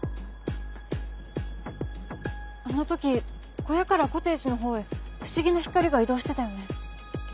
あの時小屋からコテージのほうへ不思議な光が移動してたよね。